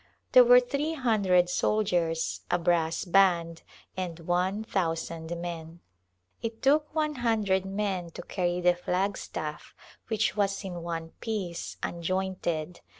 There were three hundred soldiers, a brass band, and one thousand men. It took one hundred men to carry the flagstaff, which was in one piece, unjointed.